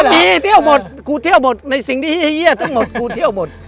มีเที่ยวหมดกูเที่ยวหมดในสิ่งที่เฮียดทั้งหมดกูเที่ยวหมด